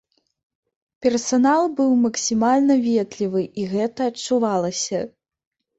Персанал быў максімальна ветлівы і гэта адчувалася.